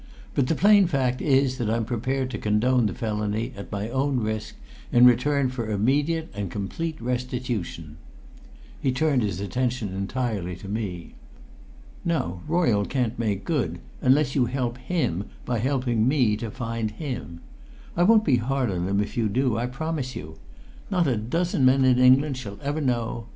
But the plain fact is that I'm prepared to condone the felony at my own risk in return for immediate and complete restitution." He turned his attention entirely to me. "Now, Royle can't make good unless you help him by helping me to find him. I won't be hard on him if you do, I promise you! Not a dozen men in England shall ever know.